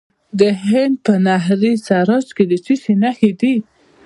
د هلمند په ناهري سراج کې د څه شي نښې دي؟